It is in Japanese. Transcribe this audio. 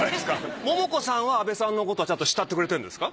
桃子さんは阿部さんのことはちゃんと慕ってくれてるんですか。